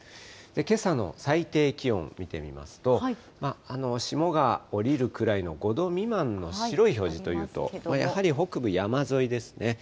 けさの最低気温見てみますと、霜が降りるくらいの５度未満の白い表示というと、やはり北部山沿いですね。